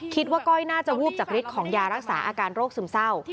ก้อยน่าจะวูบจากฤทธิ์ของยารักษาอาการโรคซึมเศร้า